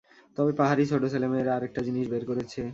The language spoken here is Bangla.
তবে পাহাড়ি ছোট ছেলেমেয়েরা আরেকটা জিনিস বের করেছে।